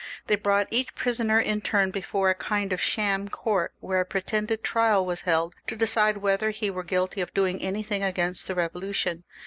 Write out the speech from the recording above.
They had up each prisoner in turn before a kind of sham court, where a pretended trial was held to decide if the prisoner were guilty of doing anything against the Eevolution.